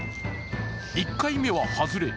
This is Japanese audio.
１回目は外れ。